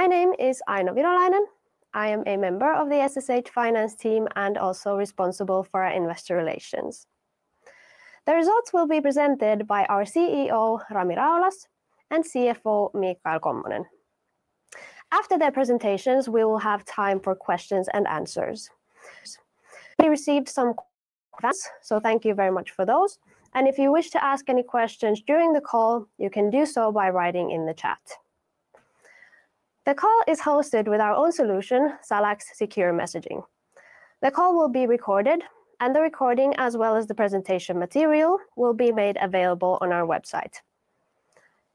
My name is Aino Virolainen. I am a member of the SSH Finance Team and also responsible for investor relations. The results will be presented by our CEO, Rami Raulas, and CFO, Michael Kommonen. After their presentations, we will have time for questions and answers. We received some questions, so thank you very much for those. If you wish to ask any questions during the call, you can do so by writing in the chat. The call is hosted with our own solution, SalaX Secure Messaging. The call will be recorded, and the recording, as well as the presentation material, will be made available on our website.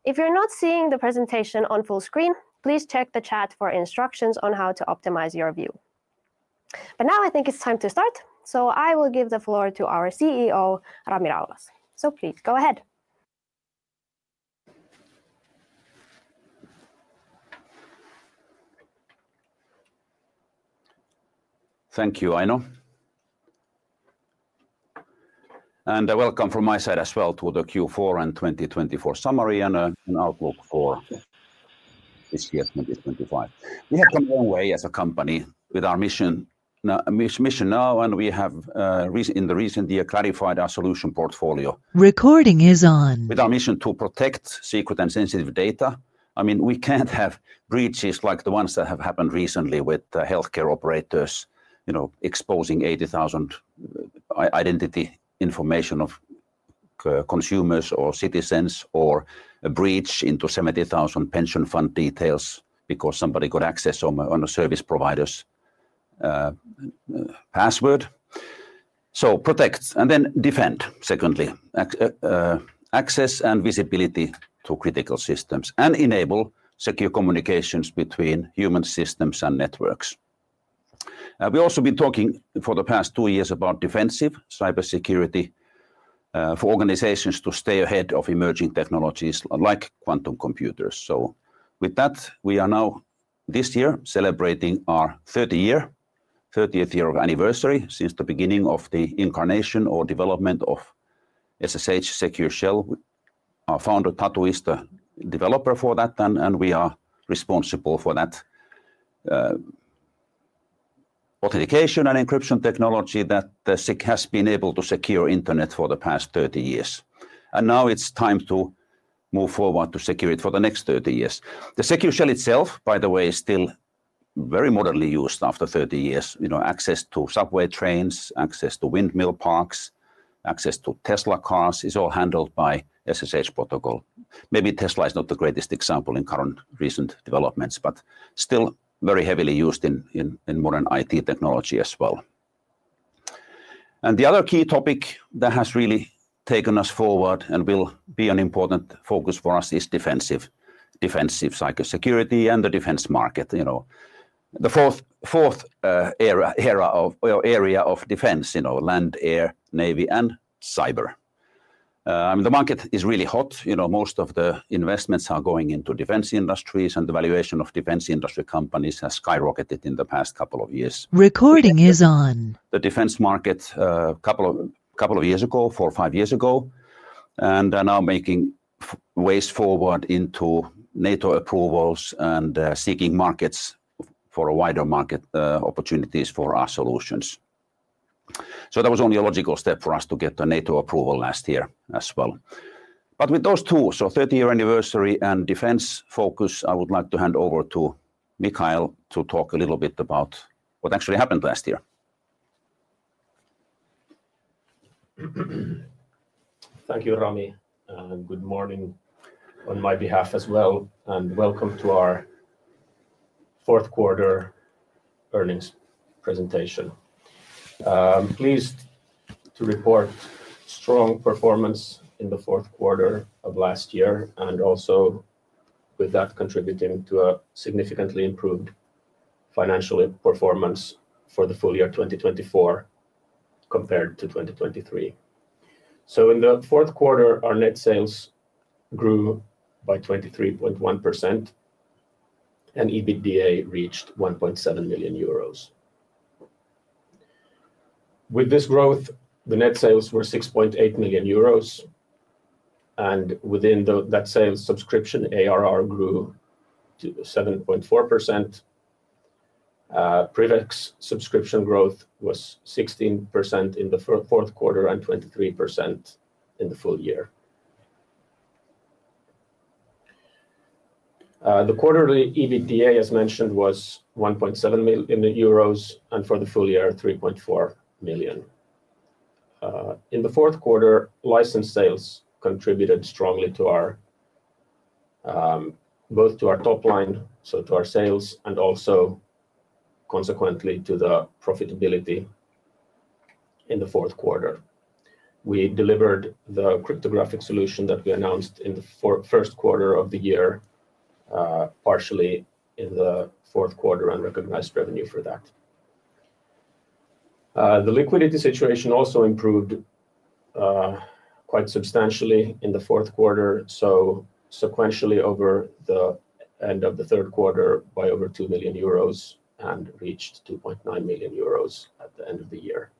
If you're not seeing the presentation on full screen, please check the chat for instructions on how to optimize your view. I think it's time to start, so I will give the floor to our CEO, Rami Raulas. Please go ahead. Thank you, Aino. Welcome from my side as well to the Q4 and 2024 summary and an outlook for this year 2025. We have come a long way as a company with our mission now, and we have in the recent year clarified our solution portfolio. Recording is on. With our mission to protect secret and sensitive data. I mean, we can't have breaches like the ones that have happened recently with healthcare operators exposing 80,000 identity information of consumers or citizens or a breach into 70,000 pension fund details because somebody got access on a service provider's password. Protect and then defend, secondly, access and visibility to critical systems and enable secure communications between human systems and networks. We've also been talking for the past two years about defensive cybersecurity for organizations to stay ahead of emerging technologies like quantum computers. With that, we are now this year celebrating our 30th year of anniversary since the beginning of the incarnation or development of SSH Secure Shell. Our founder, Tatu, is the developer for that, and we are responsible for that authentication and encryption technology that SSH has been able to secure internet for the past 30 years. Now it is time to move forward to secure it for the next 30 years. The Secure Shell itself, by the way, is still very modernly used after 30 years. Access to subway trains, access to windmill parks, access to Tesla cars is all handled by SSH protocol. Maybe Tesla is not the greatest example in current recent developments, but still very heavily used in modern IT technology as well. The other key topic that has really taken us forward and will be an important focus for us is defensive cybersecurity and the defense market. The fourth area of defense, land, air, navy, and cyber. The market is really hot. Most of the investments are going into defense industries, and the valuation of defense industry companies has skyrocketed in the past couple of years. Recording is on. The defense market a couple of years ago, four or five years ago, and now making ways forward into NATO approvals and seeking markets for wider market opportunities for our solutions. That was only a logical step for us to get a NATO approval last year as well. With those two, 30-year anniversary and defense focus, I would like to hand over to Michael to talk a little bit about what actually happened last year. Thank you, Rami. Good morning on my behalf as well, and welcome to our fourth quarter earnings presentation. I'm pleased to report strong performance in the fourth quarter of last year, and also with that contributing to a significantly improved financial performance for the full year 2024 compared to 2023. In the fourth quarter, our net sales grew by 23.1%, and EBITDA reached 1.7 million euros. With this growth, the net sales were 6.8 million euros, and within that sales subscription, ARR grew to 7.4%. PrivX subscription growth was 16% in the fourth quarter and 23% in the full year. The quarterly EBITDA, as mentioned, was 1.7 million euros, and for the full year, 3.4 million. In the fourth quarter, license sales contributed strongly to both our top line, so to our sales, and also consequently to the profitability in the fourth quarter. We delivered the cryptographic solution that we announced in the first quarter of the year, partially in the fourth quarter, and recognized revenue for that. The liquidity situation also improved quite substantially in the fourth quarter, sequentially over the end of the third quarter by over 2 million euros and reached 2.9 million euros at the end of the year.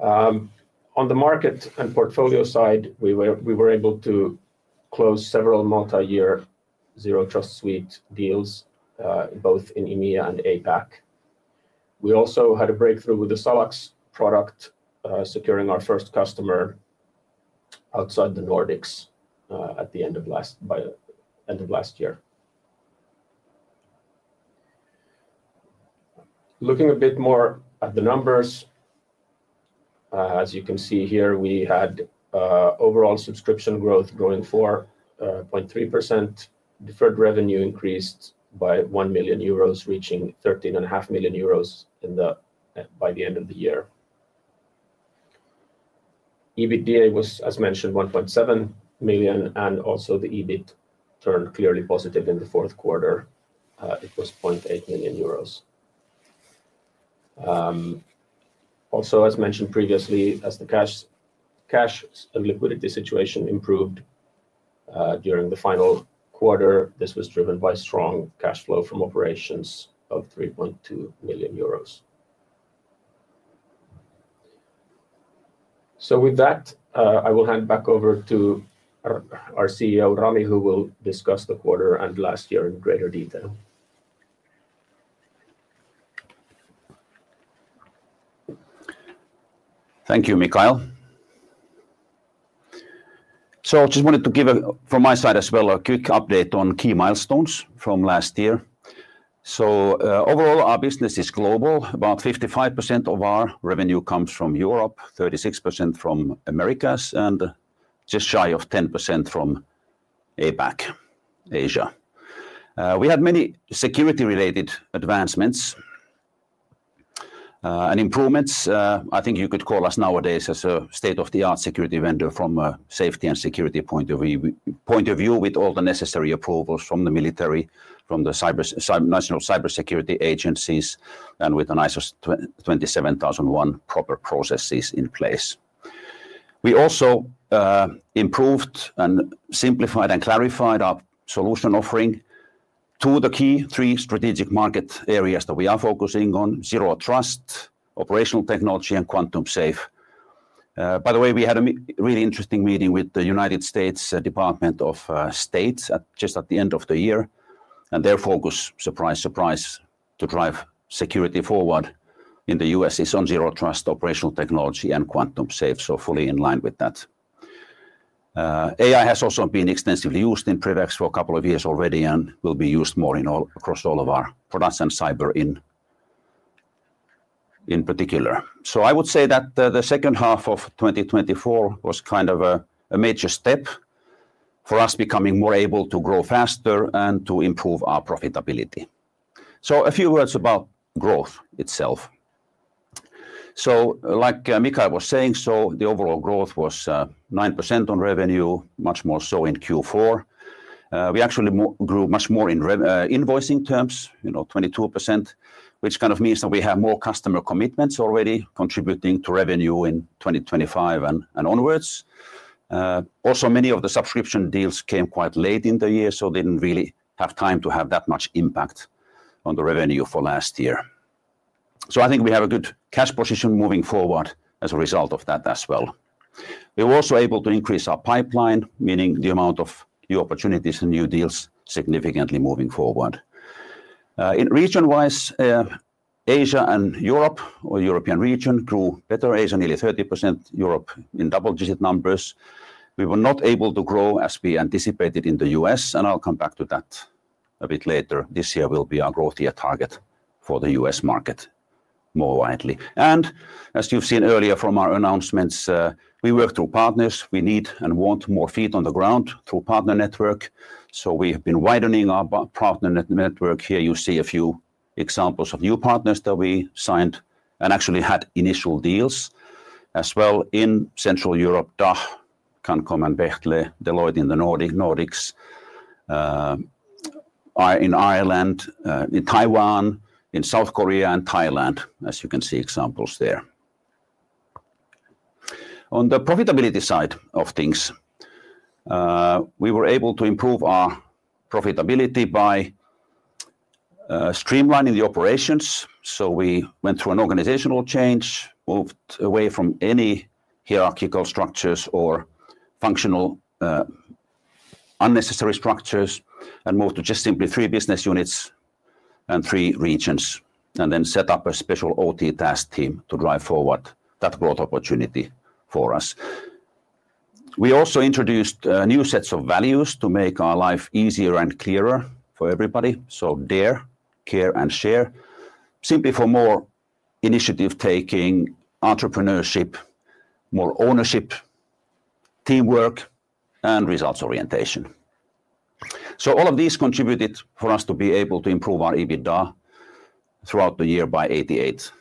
On the market and portfolio side, we were able to close several multi-year Zero Trust Suite deals, both in EMEA and APAC. We also had a breakthrough with the SalaX product, securing our first customer outside the Nordics at the end of last year. Looking a bit more at the numbers, as you can see here, we had overall subscription growth growing 4.3%, deferred revenue increased by 1 million euros, reaching 13.5 million euros by the end of the year. EBITDA was, as mentioned, 1.7 million, and also the EBIT turned clearly positive in the fourth quarter. It was 0.8 million euros. Also, as mentioned previously, as the cash and liquidity situation improved during the final quarter, this was driven by strong cash flow from operations of 3.2 million euros. With that, I will hand back over to our CEO, Rami, who will discuss the quarter and last year in greater detail. Thank you, Michael. I just wanted to give, from my side as well, a quick update on key milestones from last year. Overall, our business is global. About 55% of our revenue comes from Europe, 36% from Americas, and just shy of 10% from APAC, Asia. We had many security-related advancements and improvements. I think you could call us nowadays as a state-of-the-art security vendor from a safety and security point of view, with all the necessary approvals from the military, from the national cybersecurity agencies, and with an ISO 27001 proper processes in place. We also improved and simplified and clarified our solution offering to the key three strategic market areas that we are focusing on: Zero Trust, Operational Technology, and Quantum Safe. By the way, we had a really interesting meeting with the U.S. Department of State just at the end of the year, and their focus, surprise, surprise, to drive security forward in the U.S. is on Zero Trust, Operational Technology, and Quantum Safe, so fully in line with that. AI has also been extensively used in PrivX for a couple of years already and will be used more across all of our products and cyber in particular. I would say that the second half of 2024 was kind of a major step for us, becoming more able to grow faster and to improve our profitability. A few words about growth itself. Like Michael was saying, the overall growth was 9% on revenue, much more so in Q4. We actually grew much more in invoicing terms, 22%, which kind of means that we have more customer commitments already contributing to revenue in 2025 and onwards. Also, many of the subscription deals came quite late in the year, so they did not really have time to have that much impact on the revenue for last year. I think we have a good cash position moving forward as a result of that as well. We were also able to increase our pipeline, meaning the amount of new opportunities and new deals significantly moving forward. Region-wise, Asia and Europe or European region grew better, Asia nearly 30%, Europe in double-digit numbers. We were not able to grow as we anticipated in the U.S., and I will come back to that a bit later. This year will be our growth year target for the U.S. market more widely. As you have seen earlier from our announcements, we work through partners. We need and want more feet on the ground through partner network. We have been widening our partner network here. You see a few examples of new partners that we signed and actually had initial deals as well in Central Europe: DACH, Cancom, and Bechtle, Deloitte in the Nordics, in Ireland, in Taiwan, in South Korea, and Thailand, as you can see examples there. On the profitability side of things, we were able to improve our profitability by streamlining the operations. We went through an organizational change, moved away from any hierarchical structures or functional unnecessary structures, and moved to just simply three business units and three regions, and then set up a special OT task team to drive forward that growth opportunity for us. We also introduced new sets of values to make our life easier and clearer for everybody. Dare, care, and share, simply for more initiative-taking, entrepreneurship, more ownership, teamwork, and results orientation. All of these contributed for us to be able to improve our EBITDA throughout the year by 88%.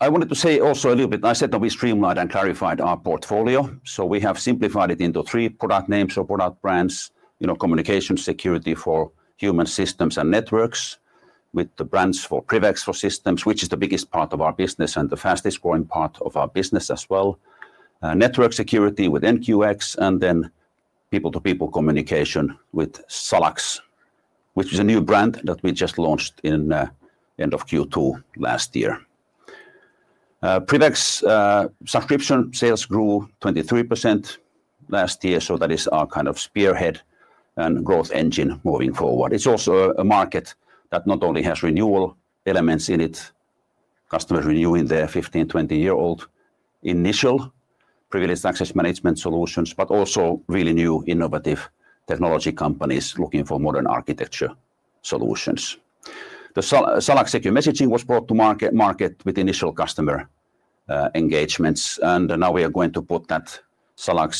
I wanted to say also a little bit, I said that we streamlined and clarified our portfolio. We have simplified it into three product names or product brands: communication security for human systems and networks with the brands for PrivX for systems, which is the biggest part of our business and the fastest growing part of our business as well, network security with NQX, and then people-to-people communication with SalaX, which is a new brand that we just launched in the end of Q2 last year. PrivX subscription sales grew 23% last year, so that is our kind of spearhead and growth engine moving forward. It's also a market that not only has renewal elements in it, customers renewing their 15-20-year-old initial privileged access management solutions, but also really new innovative technology companies looking for modern architecture solutions. The SalaX Secure Messaging was brought to market with initial customer engagements, and now we are going to put that SalaX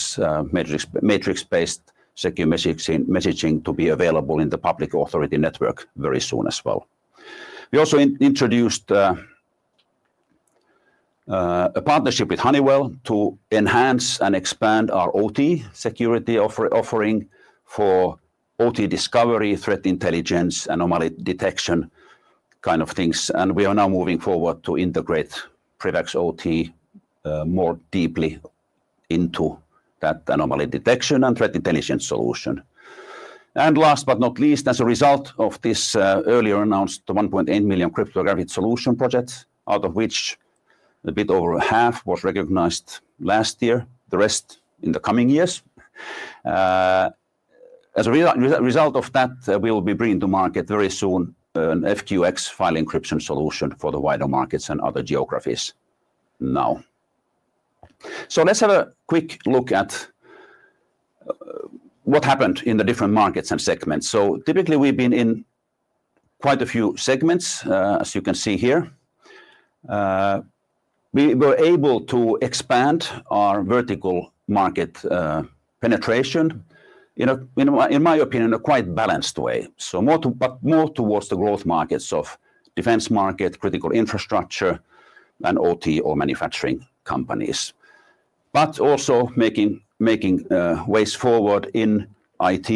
Matrix-based Secure Messaging to be available in the public authority network very soon as well. We also introduced a partnership with Honeywell to enhance and expand our OT security offering for OT discovery, threat intelligence, anomaly detection kind of things. We are now moving forward to integrate PrivX OT more deeply into that anomaly detection and threat intelligence solution. Last but not least, as a result of this earlier announced 1.8 million cryptographic solution project, out of which a bit over half was recognized last year, the rest in the coming years. As a result of that, we will be bringing to market very soon an FQX file encryption solution for the wider markets and other geographies now. Let's have a quick look at what happened in the different markets and segments. Typically, we've been in quite a few segments, as you can see here. We were able to expand our vertical market penetration, in my opinion, in a quite balanced way, but more towards the growth markets of defense market, critical infrastructure, and OT or manufacturing companies, but also making ways forward in IT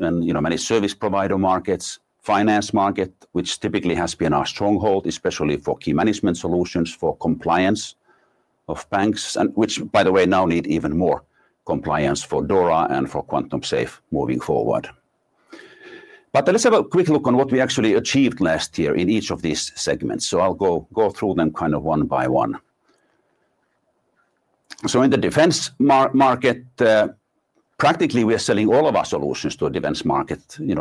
and many service provider markets, finance market, which typically has been our stronghold, especially for key management solutions for compliance of banks, which, by the way, now need even more compliance for DORA and for Quantum Safe moving forward. Let's have a quick look on what we actually achieved last year in each of these segments. I'll go through them kind of one by one. In the defense market, practically, we are selling all of our solutions to the defense market,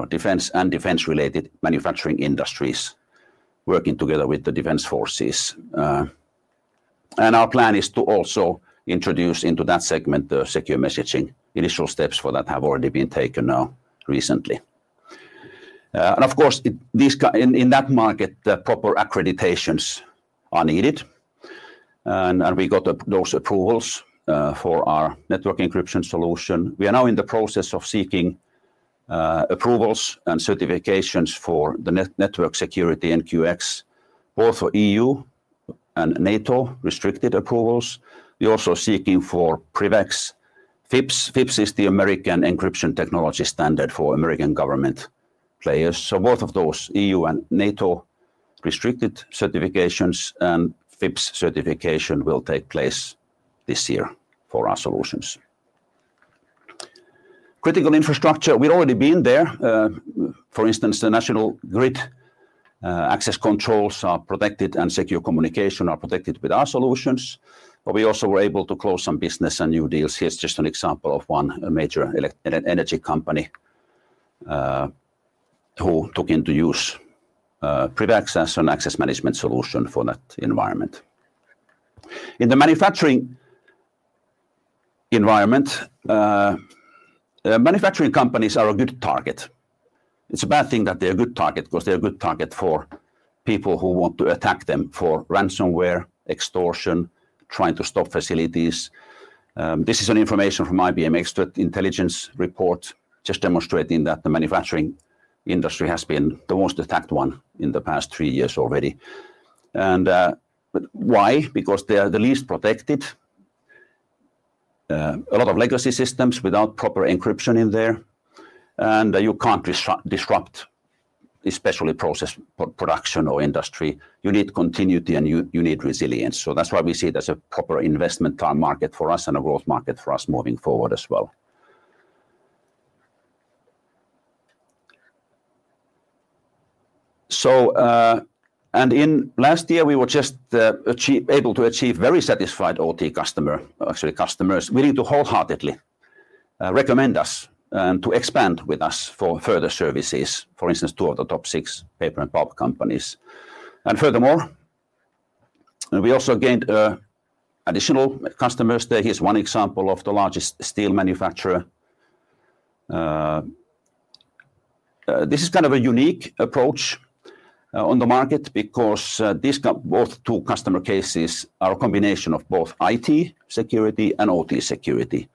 defense and defense-related manufacturing industries, working together with the defense forces. Our plan is to also introduce into that segment the secure messaging. Initial steps for that have already been taken now recently. Of course, in that market, proper accreditations are needed, and we got those approvals for our network encryption solution. We are now in the process of seeking approvals and certifications for the network security NQX, both for EU and NATO restricted approvals. We're also seeking for PrivX FIPS. FIPS is the American encryption technology standard for American government players. Both of those, EU and NATO restricted certifications and FIPS certification, will take place this year for our solutions. Critical infrastructure, we've already been there. For instance, the national grid access controls are protected and secure communication are protected with our solutions. We also were able to close some business and new deals. Here's just an example of one major energy company who took into use PrivX as an access management solution for that environment. In the manufacturing environment, manufacturing companies are a good target. It's a bad thing that they're a good target because they're a good target for people who want to attack them for ransomware, extortion, trying to stop facilities. This is information from IBM Expert Intelligence Report, just demonstrating that the manufacturing industry has been the most attacked one in the past three years already. Why? Because they are the least protected. A lot of legacy systems without proper encryption in there, and you can't disrupt, especially process production or industry. You need continuity and you need resilience. That's why we see it as a proper investment time market for us and a growth market for us moving forward as well. Last year, we were just able to achieve very satisfied OT customers, actually customers willing to wholeheartedly recommend us and to expand with us for further services, for instance, two of the top six paper and bulk companies. Furthermore, we also gained additional customers. There is one example of the largest steel manufacturer. This is kind of a unique approach on the market because these both two customer cases are a combination of both IT security and OT security.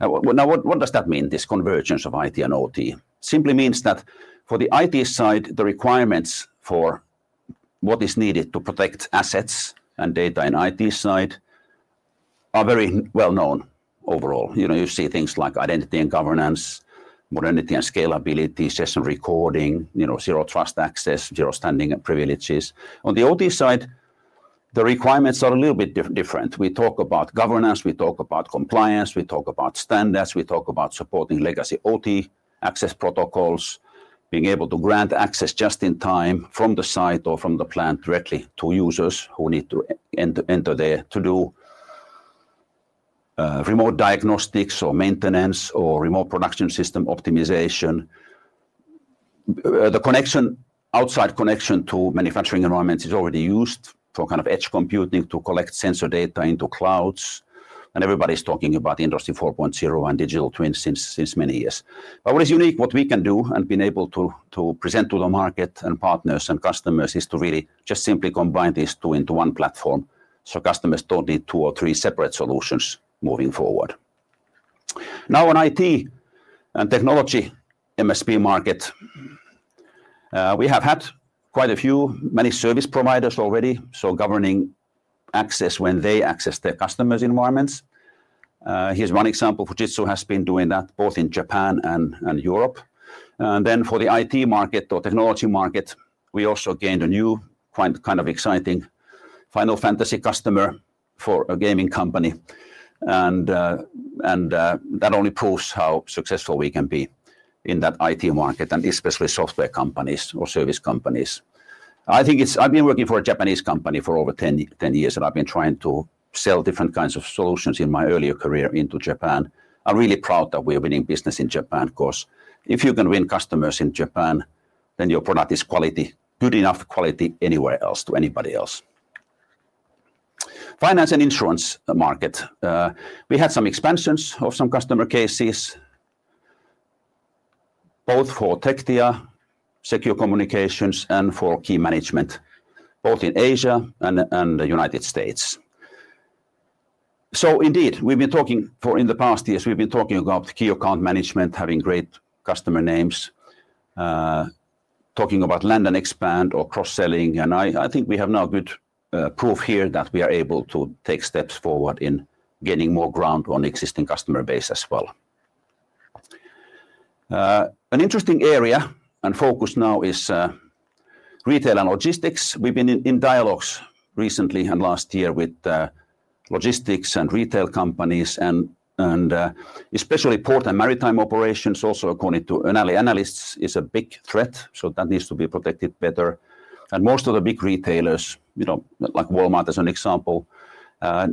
Now, what does that mean, this convergence of IT and OT? Simply means that for the IT side, the requirements for what is needed to protect assets and data in IT side are very well known overall. You see things like identity and governance, modernity and scalability, session recording, zero trust access, zero standing and privileges. On the OT side, the requirements are a little bit different. We talk about governance, we talk about compliance, we talk about standards, we talk about supporting legacy OT access protocols, being able to grant access just in time from the site or from the plant directly to users who need to enter there to do remote diagnostics or maintenance or remote production system optimization. The outside connection to manufacturing environments is already used for kind of edge computing to collect sensor data into clouds. Everybody's talking about Industry 4.0 and digital twins since many years. What is unique, what we can do and been able to present to the market and partners and customers is to really just simply combine these two into one platform so customers don't need two or three separate solutions moving forward. Now, in IT and technology MSP market, we have had quite a few, many service providers already, so governing access when they access their customers' environments. Here's one example: Fujitsu has been doing that both in Japan and Europe. For the IT market or technology market, we also gained a new, quite kind of exciting Final Fantasy customer for a gaming company. That only proves how successful we can be in that IT market, and especially software companies or service companies. I think I've been working for a Japanese company for over 10 years, and I've been trying to sell different kinds of solutions in my earlier career into Japan. I'm really proud that we are winning business in Japan because if you can win customers in Japan, then your product is quality, good enough quality anywhere else to anybody else. Finance and insurance market, we had some expansions of some customer cases, both for Tectia Secure Communications and for key management, both in Asia and the United States. Indeed, we've been talking for in the past years, we've been talking about key account management, having great customer names, talking about land and expand or cross-selling. I think we have now good proof here that we are able to take steps forward in getting more ground on existing customer base as well. An interesting area and focus now is retail and logistics. We've been in dialogues recently and last year with logistics and retail companies, and especially port and maritime operations, also according to analysts, is a big threat. That needs to be protected better. Most of the big retailers, like Walmart as an example,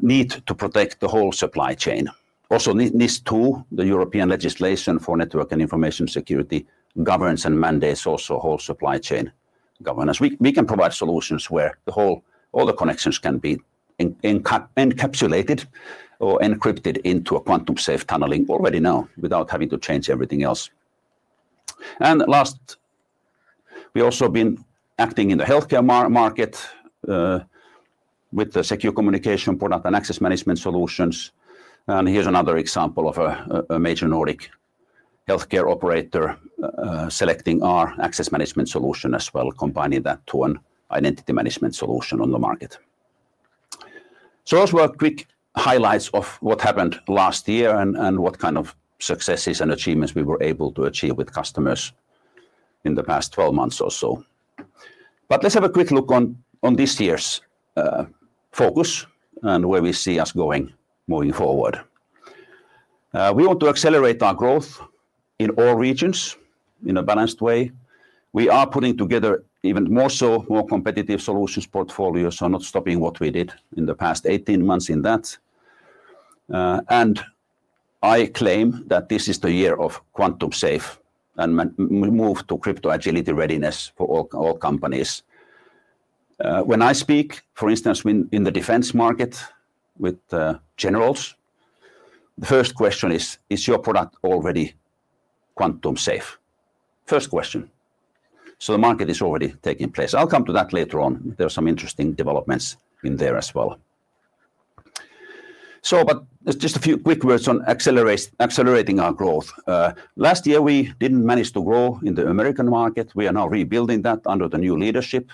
need to protect the whole supply chain. Also, NIS2, the European legislation for network and information security, governs and mandates also whole supply chain governance. We can provide solutions where all the connections can be encapsulated or encrypted into a quantum-safe tunneling already now without having to change everything else. Last, we've also been acting in the healthcare market with the secure communication product and access management solutions. Here's another example of a major Nordic healthcare operator selecting our access management solution as well, combining that to an identity management solution on the market. Those were quick highlights of what happened last year and what kind of successes and achievements we were able to achieve with customers in the past 12 months or so. Let's have a quick look on this year's focus and where we see us going moving forward. We want to accelerate our growth in all regions in a balanced way. We are putting together even more so, more competitive solutions portfolios, not stopping what we did in the past 18 months in that. I claim that this is the year of quantum-safe and move to crypto agility readiness for all companies. When I speak, for instance, in the defense market with generals, the first question is, is your product already quantum-safe? First question. The market is already taking place. I'll come to that later on. There are some interesting developments in there as well. Just a few quick words on accelerating our growth. Last year, we didn't manage to grow in the American market. We are now rebuilding that under the new leadership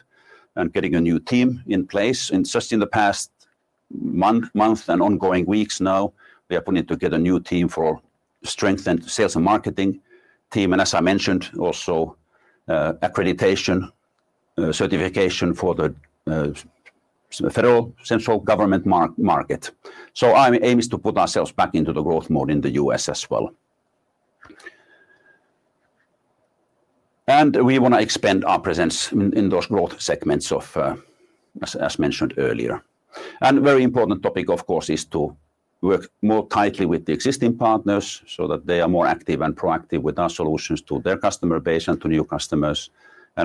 and getting a new team in place. Just in the past month and ongoing weeks now, we are putting together a new team for strength and sales and marketing team. As I mentioned, also accreditation certification for the federal central government market. Our aim is to put ourselves back into the growth mode in the U.S. as well. We want to expand our presence in those growth segments of, as mentioned earlier. A very important topic, of course, is to work more tightly with the existing partners so that they are more active and proactive with our solutions to their customer base and to new customers.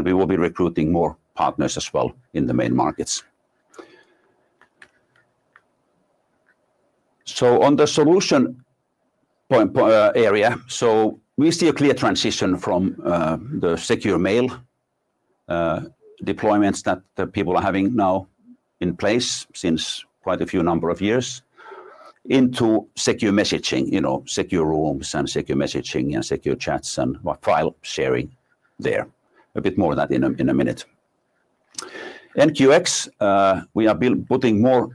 We will be recruiting more partners as well in the main markets. On the solution area, we see a clear transition from the secure mail deployments that people are having now in place since quite a few number of years into secure messaging, secure rooms and secure messaging and secure chats and file sharing there. A bit more of that in a minute. NQX, we are putting more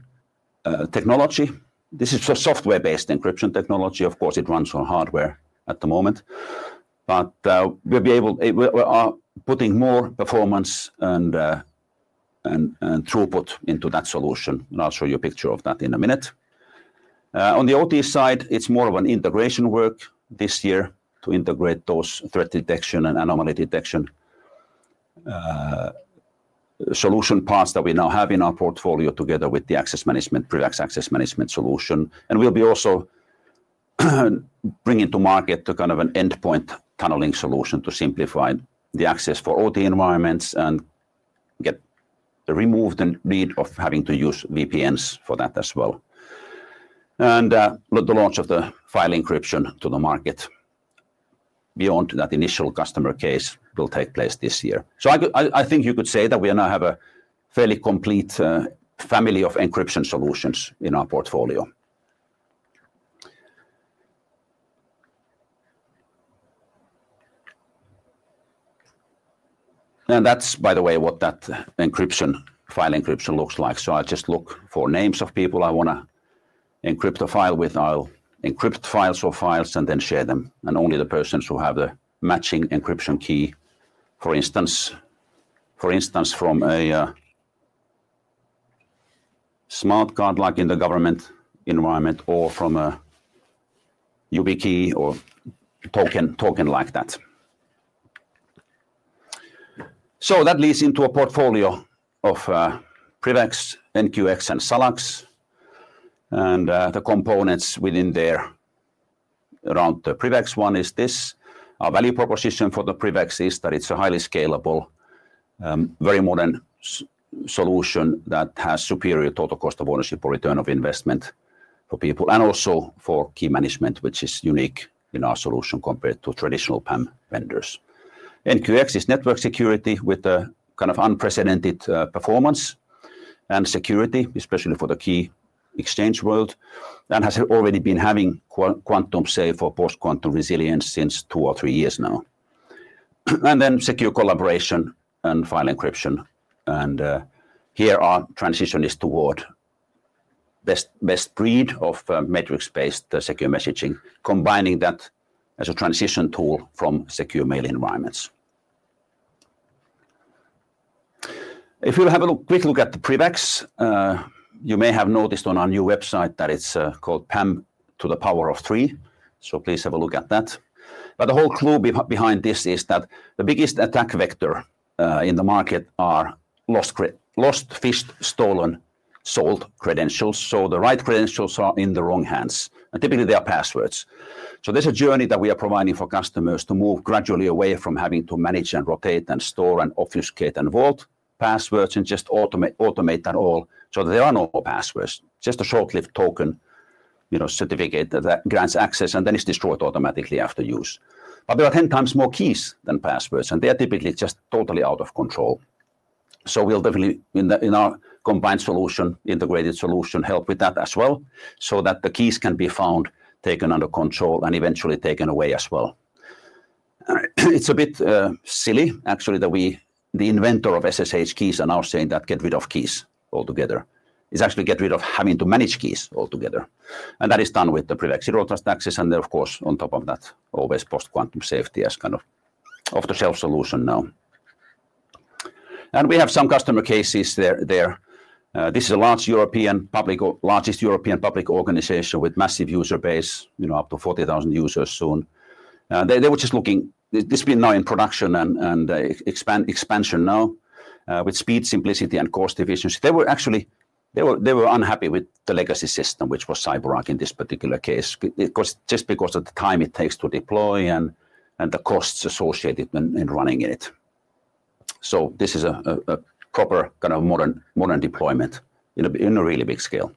technology. This is a software-based encryption technology. Of course, it runs on hardware at the moment. We are putting more performance and throughput into that solution. I'll show you a picture of that in a minute. On the OT side, it's more of an integration work this year to integrate those threat detection and anomaly detection solution paths that we now have in our portfolio together with the access management, PrivX Access Management solution. We will also be bringing to market kind of an endpoint tunneling solution to simplify the access for OT environments and get removed the need of having to use VPNs for that as well. The launch of the file encryption to the market beyond that initial customer case will take place this year. I think you could say that we now have a fairly complete family of encryption solutions in our portfolio. That is, by the way, what that encryption, file encryption looks like. I will just look for names of people I want to encrypt a file with. I will encrypt files or files and then share them. Only the persons who have the matching encryption key, for instance, from a smart card like in the government environment or from a YubiKey or token like that. That leads into a portfolio of PrivX, NQX, and SalaX. The components within there around the PrivX one is this. Our value proposition for the PrivX is that it's a highly scalable, very modern solution that has superior total cost of ownership or return of investment for people and also for key management, which is unique in our solution compared to traditional PAM vendors. NQX is network security with a kind of unprecedented performance and security, especially for the key exchange world, and has already been having quantum-safe or post-quantum resilience since two or three years now. Secure collaboration and file encryption. Here our transition is toward best breed of matrix-based secure messaging, combining that as a transition tool from secure mail environments. If you have a quick look at the PrivX, you may have noticed on our new website that it's called PAM to the power of three. Please have a look at that. The whole clue behind this is that the biggest attack vector in the market are lost, phished, stolen, sold credentials. The right credentials are in the wrong hands. Typically, they are passwords. There is a journey that we are providing for customers to move gradually away from having to manage and rotate and store and obfuscate and vault passwords and just automate that all so that there are no passwords. Just a short-lived token certificate that grants access and then is destroyed automatically after use. There are 10 times more keys than passwords, and they are typically just totally out of control. We will definitely, in our combined solution, integrated solution, help with that as well so that the keys can be found, taken under control, and eventually taken away as well. It's a bit silly, actually, that the inventor of SSH keys are now saying that get rid of keys altogether. It's actually get rid of having to manage keys altogether. That is done with the PrivX Zero Trust Access. Of course, on top of that, always post-quantum safety as kind of off-the-shelf solution now. We have some customer cases there. This is a large European public, largest European public organization with massive user base, up to 40,000 users soon. They were just looking—this has been now in production and expansion now with speed, simplicity, and cost efficiency. They were actually unhappy with the legacy system, which was CyberArk in this particular case, just because of the time it takes to deploy and the costs associated in running it. This is a proper kind of modern deployment in a really big scale.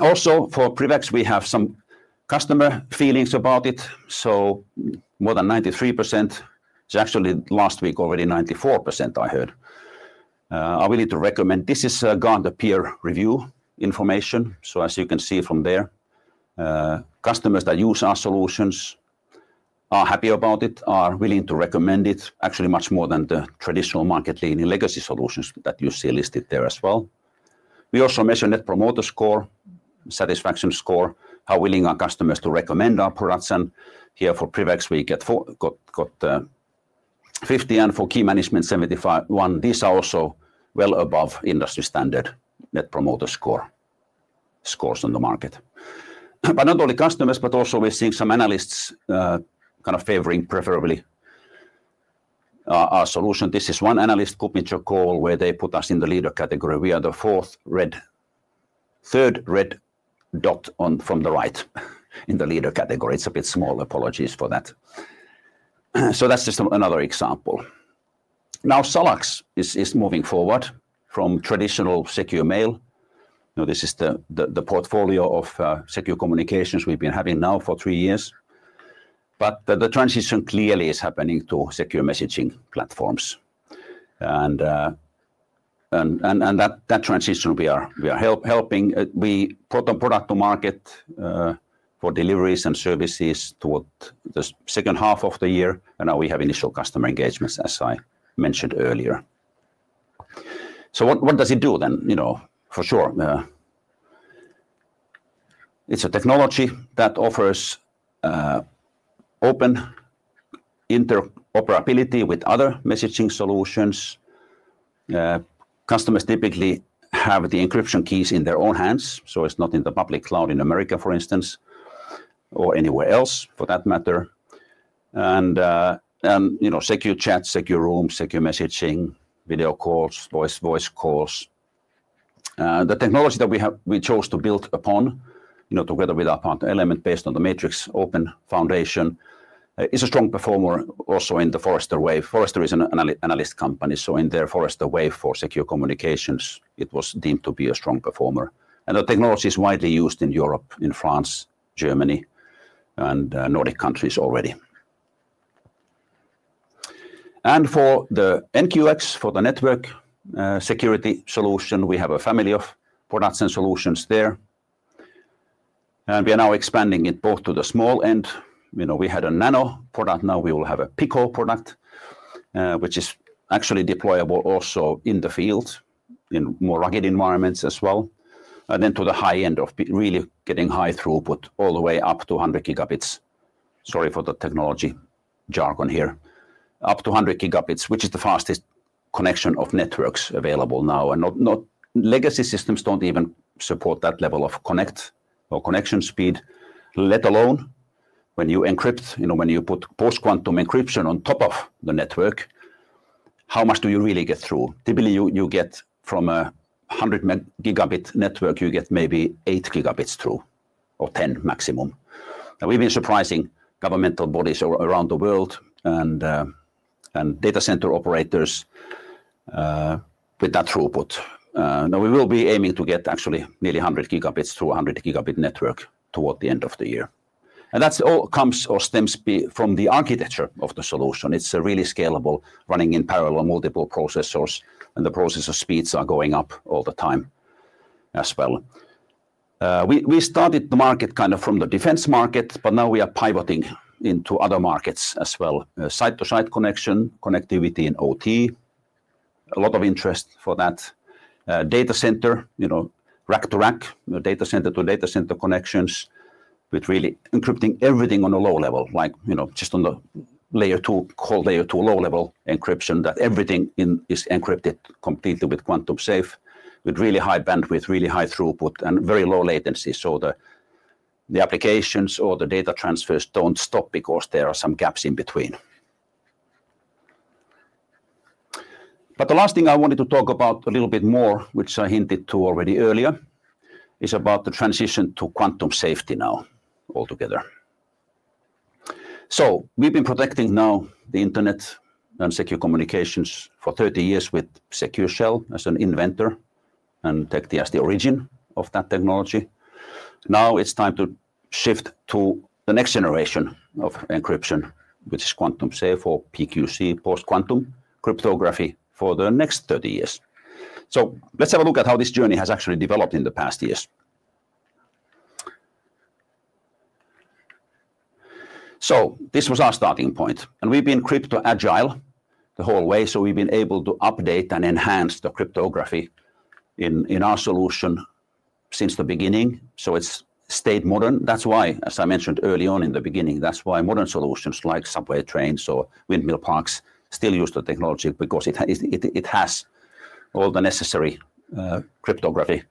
Also, for PrivX, we have some customer feelings about it. More than 93%. It is actually last week already 94%, I heard. I will be able to recommend—this is Gartner Peer Review information. As you can see from there, customers that use our solutions are happy about it, are willing to recommend it, actually much more than the traditional market-leading legacy solutions that you see listed there as well. We also measure net promoter score, satisfaction score, how willing are customers to recommend our products. Here for PrivX, we got 50, and for key management, 71. These are also well above industry standard net promoter score scores on the market. Not only customers, but also we are seeing some analysts kind of favoring preferably our solution. This is one analyst, KuppingerCole, where they put us in the leader category. We are the fourth red, third red dot from the right in the leader category. It's a bit small. Apologies for that. That's just another example. Now, SalaX is moving forward from traditional secure mail. This is the portfolio of secure communications we've been having now for three years. The transition clearly is happening to secure messaging platforms. That transition, we are helping—we put a product to market for deliveries and services toward the second half of the year. Now we have initial customer engagements, as I mentioned earlier. What does it do then? For sure. It's a technology that offers open interoperability with other messaging solutions. Customers typically have the encryption keys in their own hands. It's not in the public cloud in America, for instance, or anywhere else for that matter. Secure chats, secure rooms, secure messaging, video calls, voice calls. The technology that we chose to build upon together with our partner Element based on the Matrix open foundation is a strong performer also in the Forrester Wave. Forrester is an analyst company. In their Forrester Wave for secure communications, it was deemed to be a strong performer. The technology is widely used in Europe, in France, Germany, and Nordic countries already. For the NQX, for the network security solution, we have a family of products and solutions there. We are now expanding it both to the small end. We had a Nano product. Now we will have a Pico product, which is actually deployable also in the field in more rugged environments as well. Then to the high end of really getting high throughput all the way up to 100 Gb. Sorry for the technology jargon here. Up to 100 Gb, which is the fastest connection of networks available now. Legacy systems do not even support that level of connect or connection speed, let alone when you encrypt, when you put post-quantum encryption on top of the network, how much do you really get through? Typically, you get from a 100 Gb network, you get maybe 8 Gb through or 10 Gb maximum. We have been surprising governmental bodies around the world and data center operators with that throughput. Now we will be aiming to get actually nearly 100 Gb through 100 Gb network toward the end of the year. That all comes or stems from the architecture of the solution. It is really scalable, running in parallel multiple processors, and the processor speeds are going up all the time as well. We started the market kind of from the defense market, but now we are pivoting into other markets as well. Side-to-side connection, connectivity in OT, a lot of interest for that. Data center, rack-to-rack, data center to data center connections with really encrypting everything on a low level, like just on the layer two, called layer two low level encryption that everything is encrypted completely with Quantum Safe, with really high bandwidth, really high throughput, and very low latency. The applications or the data transfers do not stop because there are some gaps in between. The last thing I wanted to talk about a little bit more, which I hinted to already earlier, is about the transition to quantum safety now altogether. We have been protecting now the internet and secure communications for 30 years with Secure Shell as an inventor and technique as the origin of that technology. Now it's time to shift to the next generation of encryption, which is quantum-safe or PQC, post-quantum cryptography for the next 30 years. Let's have a look at how this journey has actually developed in the past years. This was our starting point. We've been crypto-agile the whole way. We've been able to update and enhance the cryptography in our solution since the beginning. It's stayed modern. That's why, as I mentioned early on in the beginning, that's why modern solutions like subway trains or windmill parks still use the technology because it has all the necessary cryptography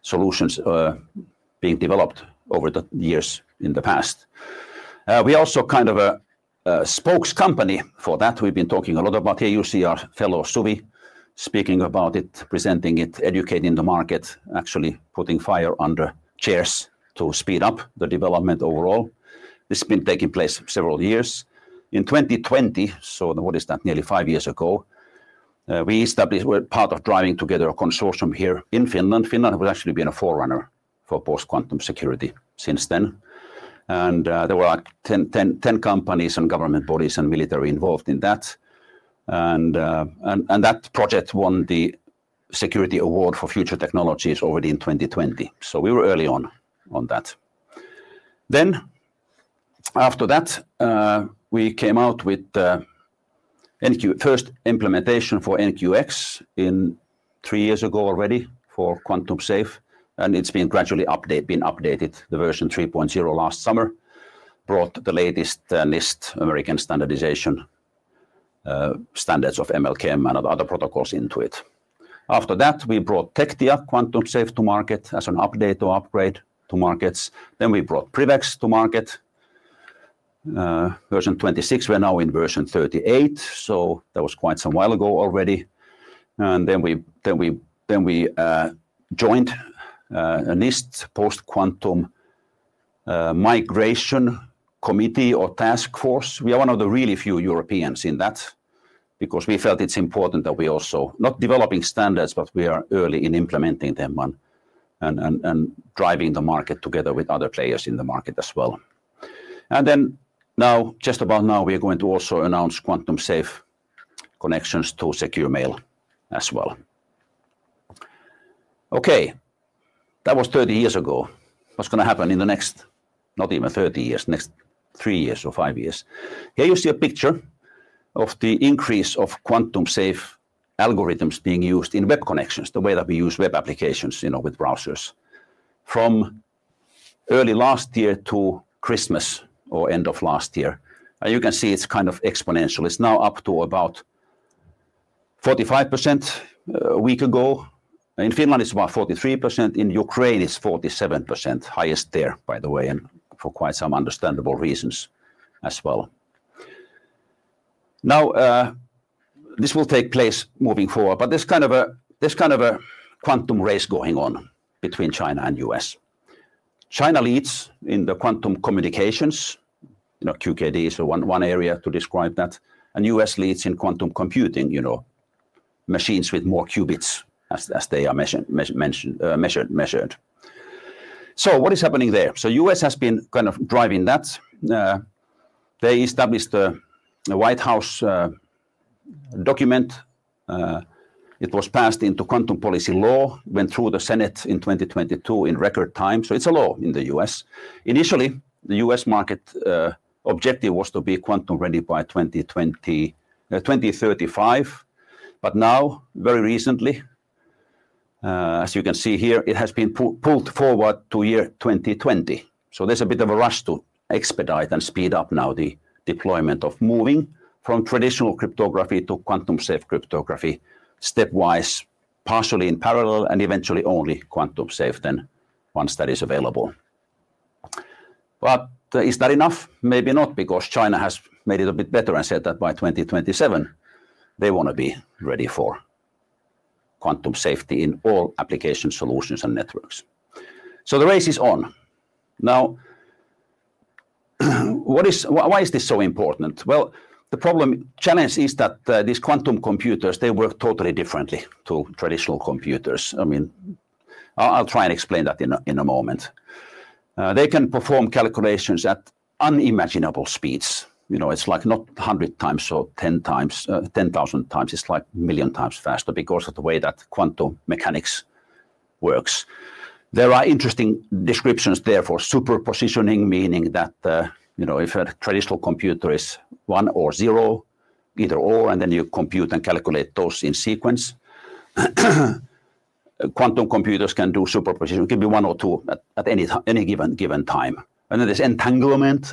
solutions being developed over the years in the past. We are also kind of a spokes company for that. We've been talking a lot about here. You see our fellow Suvi speaking about it, presenting it, educating the market, actually putting fire under chairs to speed up the development overall. This has been taking place several years. In 2020, so what is that? Nearly five years ago, we were part of driving together a consortium here in Finland. Finland has actually been a forerunner for post-quantum security since then. There were like 10 companies and government bodies and military involved in that. That project won the security award for future technologies already in 2020. We were early on that. After that, we came out with first implementation for NQX three years ago already for Quantum Safe. It has been gradually updated, been updated. The version 3.0 last summer brought the latest NIST, American Standardization Standards of ML-KEM and other protocols into it. After that, we brought Tectia, Quantum Safe, to market as an update or upgrade to markets. Then we brought PrivX to market, version 26. We're now in version 38. That was quite some while ago already. We joined a NIST post-quantum migration committee or task force. We are one of the really few Europeans in that because we felt it's important that we are also not developing standards, but we are early in implementing them and driving the market together with other players in the market as well. Now, just about now, we are going to also announce quantum-safe connections to secure mail as well. Okay. That was 30 years ago. What's going to happen in the next, not even 30 years, next three years or five years? Here you see a picture of the increase of quantum-safe algorithms being used in web connections, the way that we use web applications with browsers from early last year to Christmas or end of last year. You can see it's kind of exponential. It's now up to about 35% a week ago. In Finland, it's about 43%. In Ukraine, it's 47%, highest there, by the way, and for quite some understandable reasons as well. This will take place moving forward, but there's kind of a quantum race going on between China and the U.S. China leads in the quantum communications. QKD is one area to describe that. The U.S. leads in quantum computing, machines with more qubits as they are measured. What is happening there? The U.S. has been kind of driving that. They established a White House document. It was passed into quantum policy law, went through the Senate in 2022 in record time. It is a law in the U.S. Initially, the U.S. market objective was to be quantum ready by 2035. Very recently, as you can see here, it has been pulled forward to year 2020. There is a bit of a rush to expedite and speed up now the deployment of moving from traditional cryptography to quantum-safe cryptography stepwise, partially in parallel, and eventually only quantum-safe then once that is available. Is that enough? Maybe not, because China has made it a bit better and said that by 2027, they want to be ready for quantum safety in all application solutions and networks. The race is on. Now, why is this so important? The challenge is that these quantum computers, they work totally differently to traditional computers. I mean, I'll try and explain that in a moment. They can perform calculations at unimaginable speeds. It's like not 100 times or 10,000 times. It's like a million times faster because of the way that quantum mechanics works. There are interesting descriptions there for superpositioning, meaning that if a traditional computer is one or zero, either or, and then you compute and calculate those in sequence, quantum computers can do superposition. It can be one or two at any given time. There is entanglement,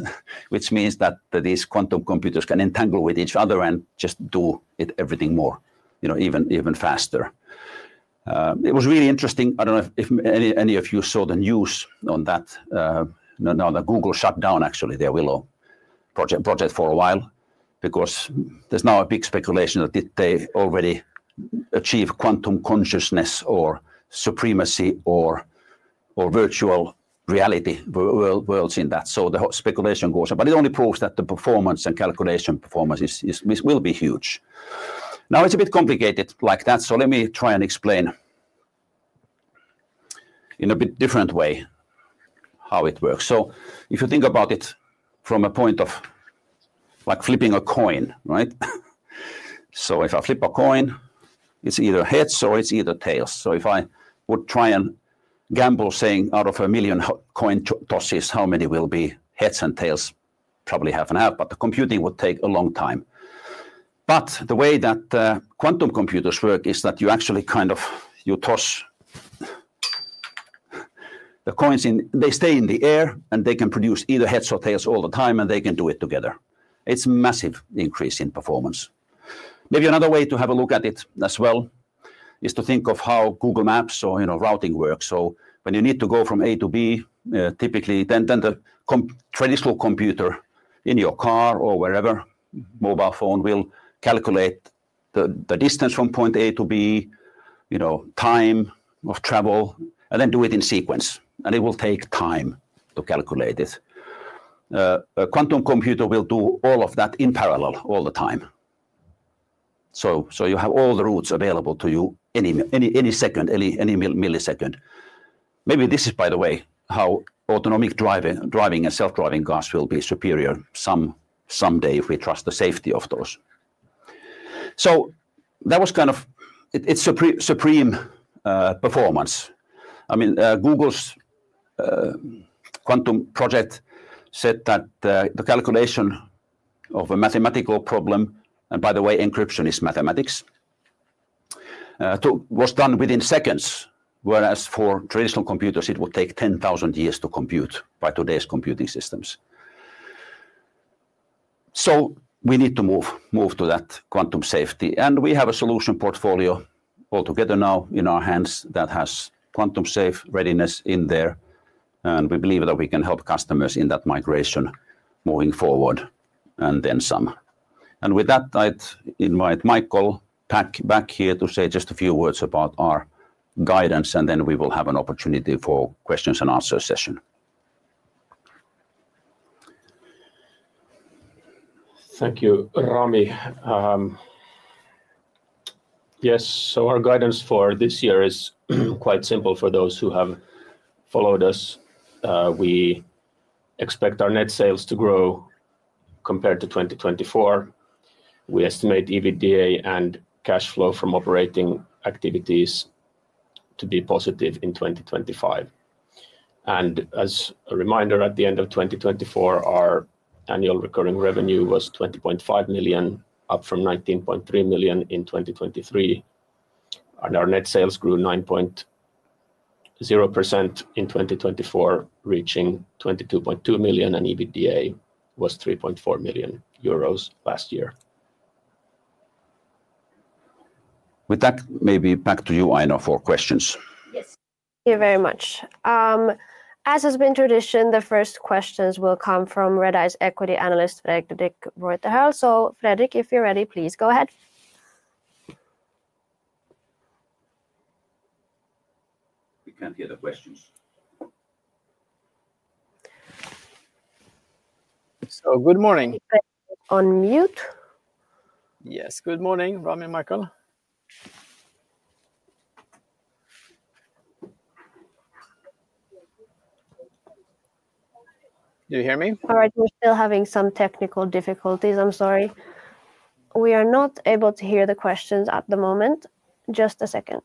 which means that these quantum computers can entangle with each other and just do everything more, even faster. It was really interesting. I don't know if any of you saw the news on that. Now, Google shut down actually their Willow project for a while because there's now a big speculation that they already achieve quantum consciousness or supremacy or virtual reality worlds in that. The speculation goes on, but it only proves that the performance and calculation performance will be huge. Now, it's a bit complicated like that. Let me try and explain in a bit different way how it works. If you think about it from a point of like flipping a coin, right? If I flip a coin, it's either heads or it's either tails. If I would try and gamble saying out of a million coin tosses, how many will be heads and tails? Probably half and half, but the computing would take a long time. The way that quantum computers work is that you actually kind of, you toss the coins, they stay in the air and they can produce either heads or tails all the time and they can do it together. It's a massive increase in performance. Maybe another way to have a look at it as well is to think of how Google Maps or routing works. When you need to go from A to B, typically the traditional computer in your car or wherever, mobile phone will calculate the distance from point A to B, time of travel, and then do it in sequence. It will take time to calculate it. A quantum computer will do all of that in parallel all the time. You have all the routes available to you any second, any millisecond. Maybe this is, by the way, how autonomic driving and self-driving cars will be superior someday if we trust the safety of those. That was kind of its supreme performance. I mean, Google's quantum project said that the calculation of a mathematical problem, and by the way, encryption is mathematics, was done within seconds, whereas for traditional computers, it would take 10,000 years to compute by today's computing systems. We need to move to that quantum-safety. We have a solution portfolio altogether now in our hands that has quantum-safe readiness in there. We believe that we can help customers in that migration moving forward and then some. With that, I'd invite Michael back here to say just a few words about our guidance, and then we will have an opportunity for questions and answers session. Thank you, Rami. Yes, so our guidance for this year is quite simple for those who have followed us. We expect our net sales to grow compared to 2024. We estimate EBITDA and cash flow from operating activities to be positive in 2025. As a reminder, at the end of 2024, our annual recurring revenue was 20.5 million, up from 19.3 million in 2023. Our net sales grew 9.0% in 2024, reaching 22.2 million, and EBITDA was 3.4 million euros last year. With that, maybe back to you, Aino, for questions. Yes. Thank you very much. As has been tradition, the first questions will come from Redeye Equity Analyst, Fredrik Reuterhäll. Fredrik, if you're ready, please go ahead. We can't hear the questions. Good morning. On mute. Yes, good morning, Rami and Michael. Do you hear me? All right. We're still having some technical difficulties. I'm sorry. We are not able to hear the questions at the moment. Just a second.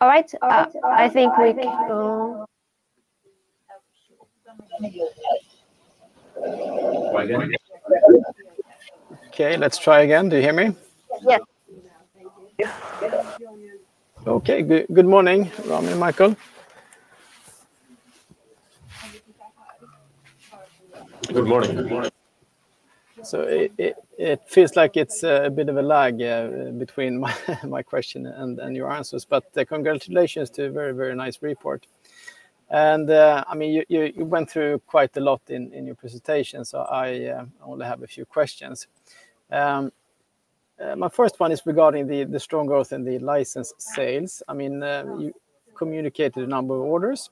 All right. I think we can go. Okay, let's try again. Do you hear me? Yes. Okay, good morning, Rami and Michael. Good morning. It feels like it's a bit of a lag between my question and your answers, but congratulations to a very, very nice report. I mean, you went through quite a lot in your presentation, so I only have a few questions. My first one is regarding the strong growth in the license sales. I mean, you communicated a number of orders,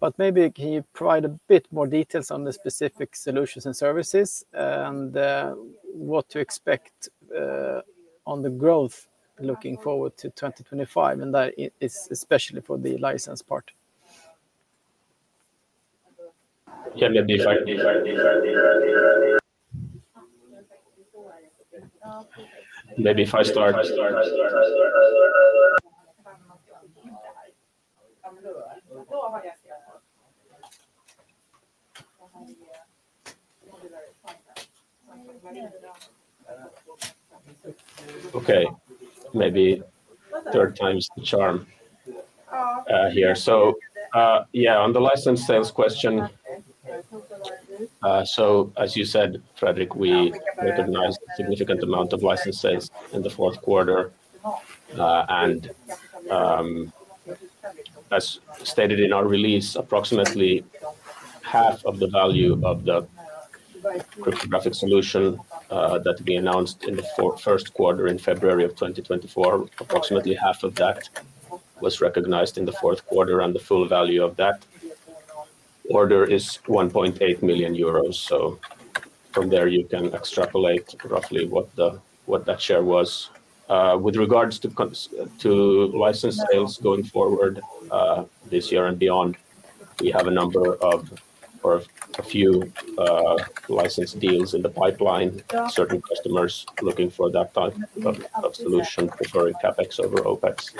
but maybe can you provide a bit more details on the specific solutions and services and what to expect on the growth looking forward to 2025, and that is especially for the license part? Maybe if I start. Okay, maybe third time's the charm here. Yeah, on the license sales question, as you said, Fredrik, we recognize a significant amount of license sales in the fourth quarter. As stated in our release, approximately half of the value of the cryptographic solution that we announced in the first quarter in February of 2024, approximately half of that was recognized in the fourth quarter, and the full value of that order is 1.8 million euros. From there, you can extrapolate roughly what that share was. With regards to license sales going forward this year and beyond, we have a number of a few license deals in the pipeline, certain customers looking for that type of solution, preferring CapEx over OpEx.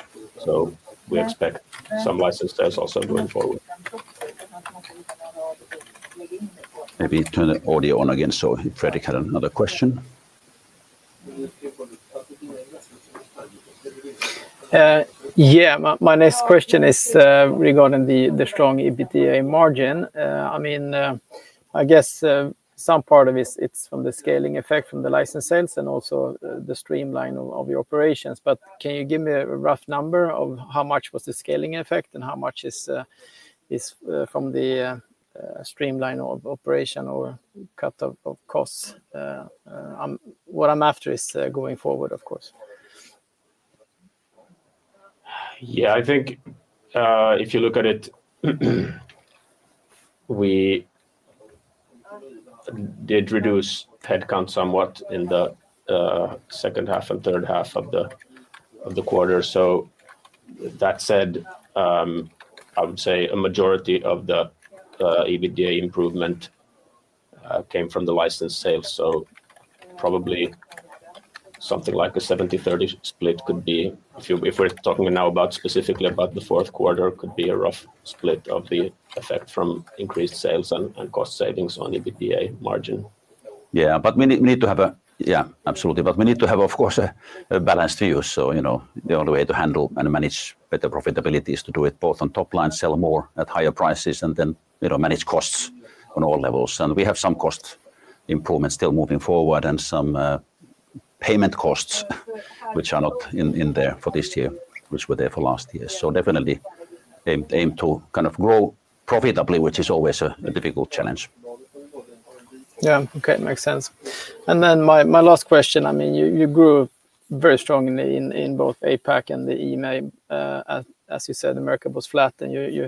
We expect some license sales also going forward. Maybe turn the audio on again so Fredrik had another question. Yeah, my next question is regarding the strong EBITDA margin. I mean, I guess some part of it's from the scaling effect from the license sales and also the streamline of your operations. But can you give me a rough number of how much was the scaling effect and how much is from the streamline of operation or cut of costs? What I'm after is going forward, of course. Yeah, I think if you look at it, we did reduce headcount somewhat in the second half and third half of the quarter. That said, I would say a majority of the EBITDA improvement came from the license sales. Probably something like a 70-30 split could be, if we're talking now specifically about the fourth quarter, could be a rough split of the effect from increased sales and cost savings on EBITDA margin. Yeah, but we need to have a, yeah, absolutely. We need to have, of course, a balanced view. The only way to handle and manage better profitability is to do it both on top line, sell more at higher prices, and then manage costs on all levels. We have some cost improvements still moving forward and some payment costs, which are not in there for this year, which were there for last year. Definitely aim to kind of grow profitably, which is always a difficult challenge. Yeah, okay, makes sense. My last question, I mean, you grew very strongly in both APAC and the EMEA. As you said, America was flat, and you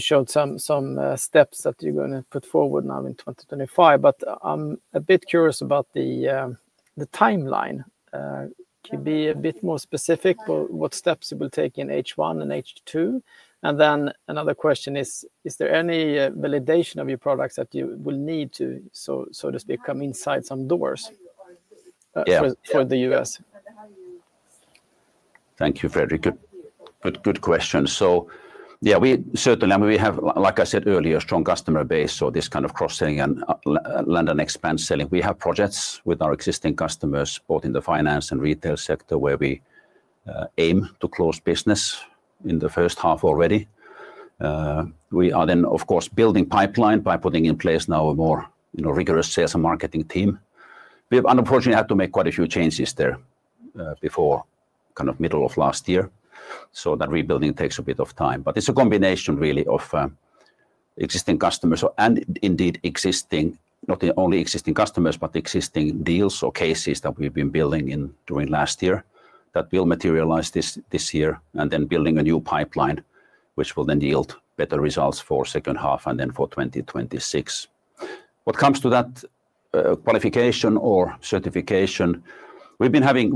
showed some steps that you're going to put forward now in 2025. I'm a bit curious about the timeline. Can you be a bit more specific about what steps you will take in H1 and H2? Is there any validation of your products that you will need to, so to speak, come inside some doors for the U.S.? Thank you, Fredrik. Good question. Yeah, certainly, we have, like I said earlier, a strong customer base. This kind of cross-selling and land and expand selling. We have projects with our existing customers, both in the finance and retail sector, where we aim to close business in the first half already. We are then, of course, building pipeline by putting in place now a more rigorous sales and marketing team. We've unfortunately had to make quite a few changes there before kind of middle of last year. That rebuilding takes a bit of time. It is a combination really of existing customers and indeed existing, not only existing customers, but existing deals or cases that we have been building during last year that will materialize this year and then building a new pipeline, which will then yield better results for the second half and then for 2026. What comes to that qualification or certification, we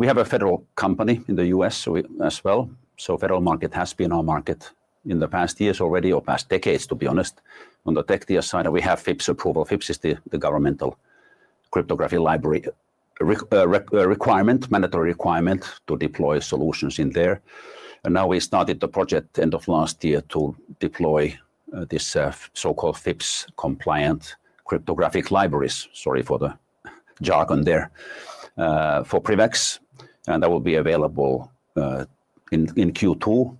have a federal company in the U.S. as well. The federal market has been our market in the past years already, or past decades, to be honest. On the tech tier side, we have FIPS approval. FIPS is the governmental cryptography library requirement, mandatory requirement to deploy solutions in there. We started the project at the end of last year to deploy these so-called FIPS-compliant cryptographic libraries, sorry for the jargon there, for PrivX. That will be available in Q2.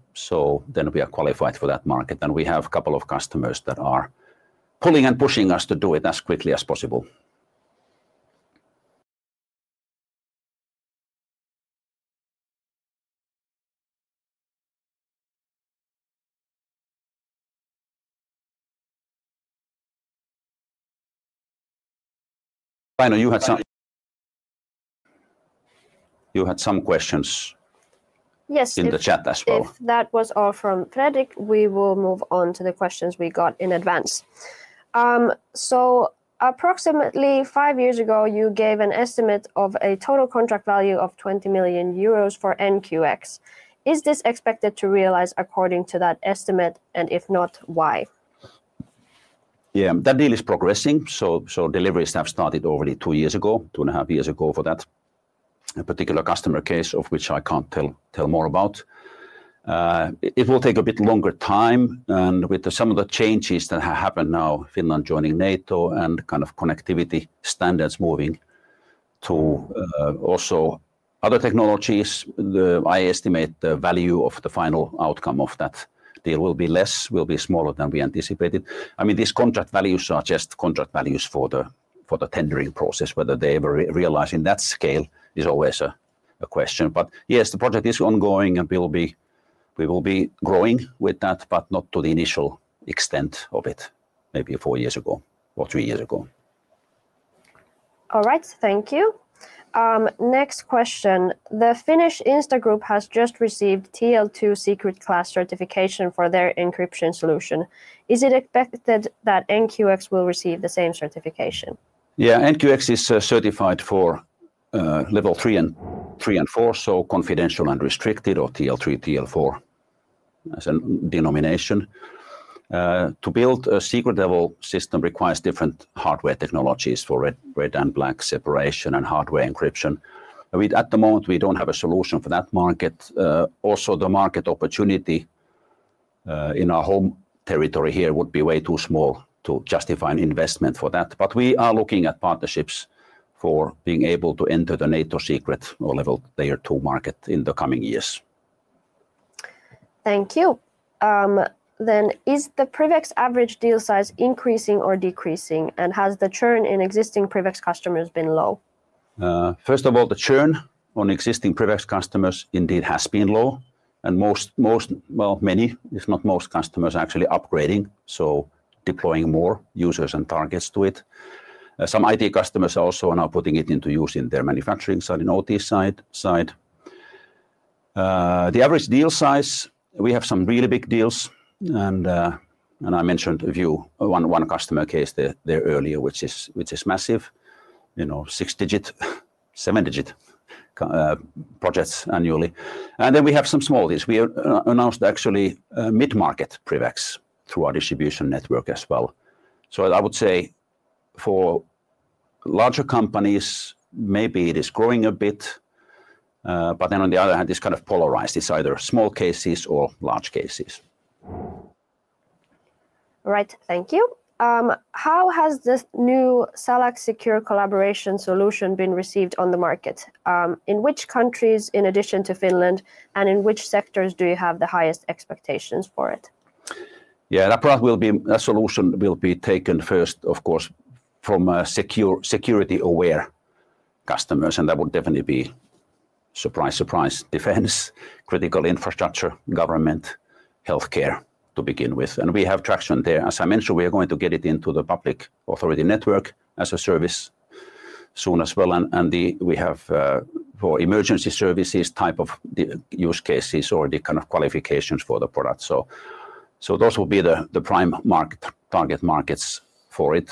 We are qualified for that market. We have a couple of customers that are pulling and pushing us to do it as quickly as possible. Aino, you had some questions in the chat as well. Yes, if that was all from Fredrik, we will move on to the questions we got in advance. Approximately five years ago, you gave an estimate of a total contract value of 20 million euros for NQX. Is this expected to realize according to that estimate? If not, why? Yeah, that deal is progressing. Deliveries have started already two years ago, two and a half years ago for that particular customer case of which I cannot tell more about. It will take a bit longer time. With some of the changes that have happened now, Finland joining NATO and kind of connectivity standards moving to also other technologies, I estimate the value of the final outcome of that deal will be less, will be smaller than we anticipated. I mean, these contract values are just contract values for the tendering process, whether they ever realize in that scale is always a question. Yes, the project is ongoing and we will be growing with that, but not to the initial extent of it, maybe four years ago or three years ago. All right, thank you. Next question. The Finnish Insta Group has just received TL2 Secret Class certification for their encryption solution. Is it expected that NQX will receive the same certification? Yeah, NQX is certified for level three and four, so confidential and restricted, or TL3, TL4 as a denomination. To build a secret level system requires different hardware technologies for red and black separation and hardware encryption. At the moment, we do not have a solution for that market. Also, the market opportunity in our home territory here would be way too small to justify an investment for that. We are looking at partnerships for being able to enter the NATO secret or level layer two market in the coming years. Thank you. Is the PrivX average deal size increasing or decreasing? Has the churn in existing PrivX customers been low? First of all, the churn on existing PrivX customers indeed has been low. Many, if not most, customers are actually upgrading, so deploying more users and targets to it. Some IT customers are also now putting it into use in their manufacturing side and OT side. The average deal size, we have some really big deals. I mentioned one customer case there earlier, which is massive, six-digit, seven-digit projects annually. We have some small deals. We announced actually mid-market PrivX through our distribution network as well. I would say for larger companies, maybe it is growing a bit. On the other hand, it's kind of polarized. It's either small cases or large cases. All right, thank you. How has this new SalaX Secure collaboration solution been received on the market? In which countries, in addition to Finland, and in which sectors do you have the highest expectations for it? Yeah, that will be a solution that will be taken first, of course, from security-aware customers. That would definitely be, surprise, surprise, defense, critical infrastructure, government, healthcare to begin with. We have traction there. As I mentioned, we are going to get it into the public authority network as a service soon as well. We have for emergency services type of use cases or the kind of qualifications for the product. Those will be the prime target markets for it.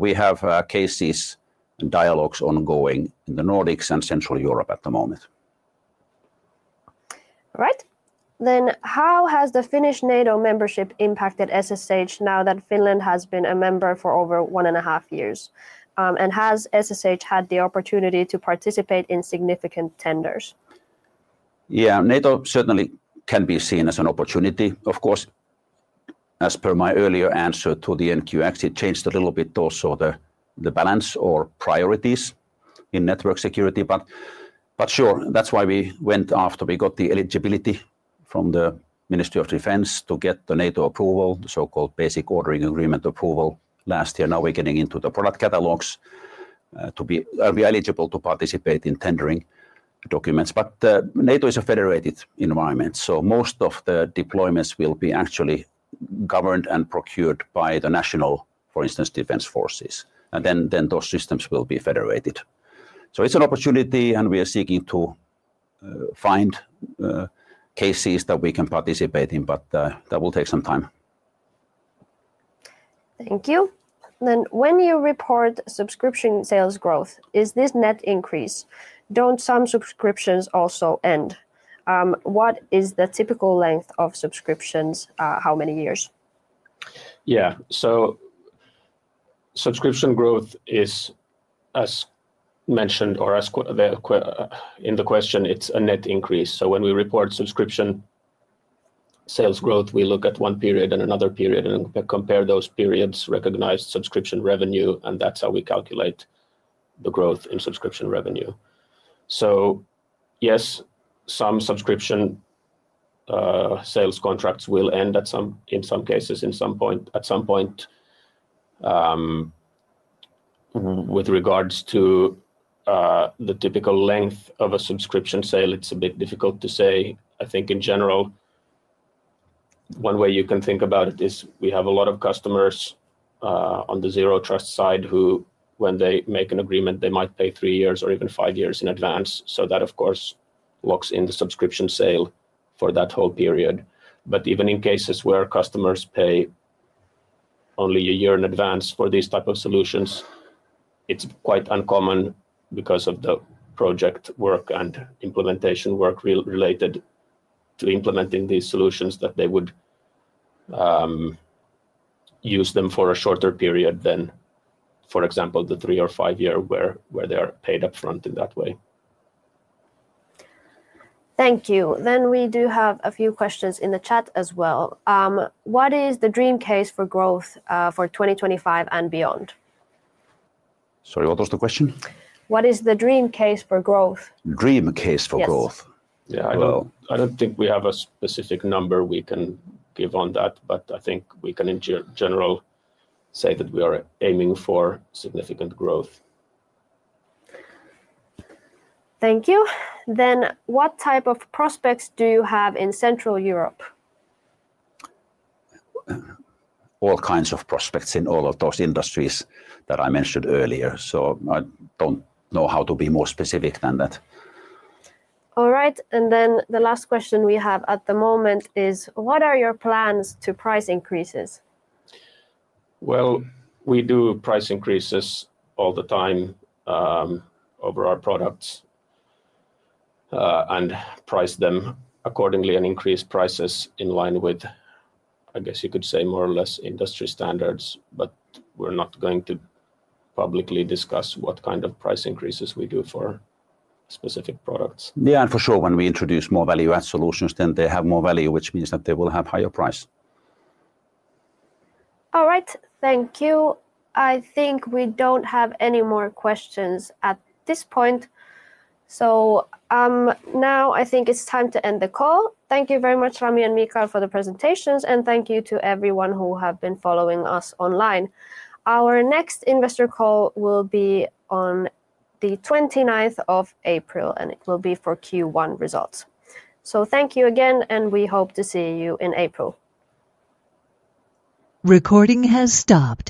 We have cases and dialogues ongoing in the Nordics and Central Europe at the moment. All right. How has the Finnish NATO membership impacted SSH now that Finland has been a member for over one and a half years? Has SSH had the opportunity to participate in significant tenders? Yeah, NATO certainly can be seen as an opportunity, of course. As per my earlier answer to the NQX, it changed a little bit also the balance or priorities in network security. That is why we went after we got the eligibility from the Ministry of Defense to get the NATO approval, the so-called basic ordering agreement approval last year. Now we are getting into the product catalogs to be eligible to participate in tendering documents. NATO is a federated environment. Most of the deployments will be actually governed and procured by the national, for instance, defense forces. Those systems will be federated. It is an opportunity, and we are seeking to find cases that we can participate in, but that will take some time. Thank you. When you report subscription sales growth, is this net increase? Do not some subscriptions also end? What is the typical length of subscriptions? How many years? Yeah, subscription growth is, as mentioned in the question, a net increase. When we report subscription sales growth, we look at one period and another period and compare those periods, recognize subscription revenue, and that's how we calculate the growth in subscription revenue. Yes, some subscription sales contracts will end in some cases at some point. With regards to the typical length of a subscription sale, it's a bit difficult to say. I think in general, one way you can think about it is we have a lot of customers on the Zero Trust side who, when they make an agreement, they might pay three years or even five years in advance. That, of course, locks in the subscription sale for that whole period. Even in cases where customers pay only a year in advance for these types of solutions, it's quite uncommon because of the project work and implementation work related to implementing these solutions that they would use them for a shorter period than, for example, the three or five years where they are paid upfront in that way. Thank you. We do have a few questions in the chat as well. What is the dream case for growth for 2025 and beyond? Sorry, what was the question? What is the dream case for growth? Dream case for growth. Yeah, I don't think we have a specific number we can give on that, but I think we can in general say that we are aiming for significant growth. Thank you. What type of prospects do you have in Central Europe? All kinds of prospects in all of those industries that I mentioned earlier. I do not know how to be more specific than that. All right. The last question we have at the moment is, what are your plans to price increases? We do price increases all the time over our products and price them accordingly and increase prices in line with, I guess you could say, more or less industry standards. We are not going to publicly discuss what kind of price increases we do for specific products. For sure, when we introduce more value-add solutions, then they have more value, which means that they will have higher price. All right, thank you. I think we do not have any more questions at this point. Now I think it is time to end the call. Thank you very much, Rami and Michael, for the presentations. Thank you to everyone who has been following us online. Our next investor call will be on the 29th of April, and it will be for Q1 results. Thank you again, and we hope to see you in April. Recording has stopped.